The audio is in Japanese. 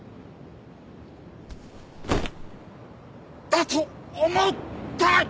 だと思った！